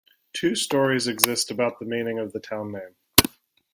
Two stories exist about the meaning of the town name.